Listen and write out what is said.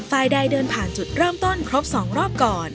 ฝ่ายใดเดินผ่านจุดเริ่มต้นครบ๒รอบก่อน